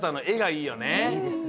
いいですね